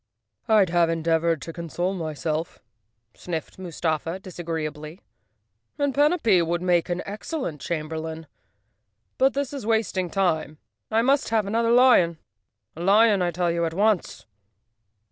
" Fd have endeavored to console myself," sniffed Mus¬ tafa disagreeably, "and Panapee would make an ex¬ cellent chamberlain. But this is wasting time. I must have another lion. A lion, I tell you, at once!"